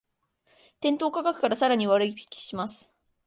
店頭価格からさらに割引します